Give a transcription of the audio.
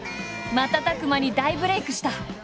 瞬く間に大ブレイクした。